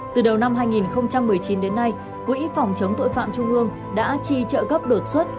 từ đầu năm hai nghìn một mươi chín đến nay quỹ phòng chống tội phạm trung ương đã chi trợ cấp đột xuất